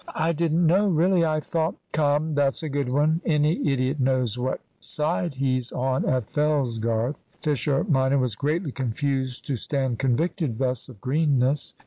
"I didn't know, really, I thought " "Come, that's a good one. Any idiot knows what side he's on at Fellsgarth." Fisher minor was greatly confused to stand convicted thus of greenness.